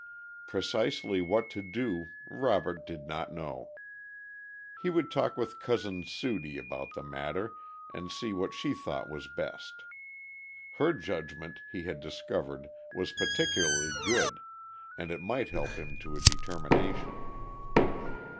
Precisely what to do Robert did not know. He would talk with Cousin Sudie about the matter, and see what she thought was best. Her judgment, he had discovered, was particularly good, and it might help him to a determination.